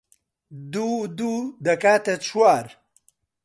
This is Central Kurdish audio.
دوو و دوو دەکاتە چوار